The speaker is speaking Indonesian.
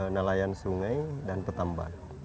nelayan sungai dan petambat